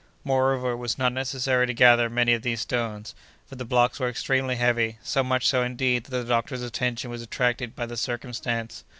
Moreover, it was not necessary to gather many of these stones, for the blocks were extremely heavy, so much so, indeed, that the doctor's attention was attracted by the circumstance.